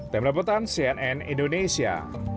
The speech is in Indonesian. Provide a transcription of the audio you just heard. pemelabutan cnn indonesia